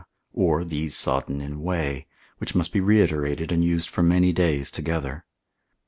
or these sodden in whey, which must be reiterated and used for many days together.